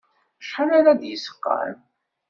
Acḥal ara d-yesqam?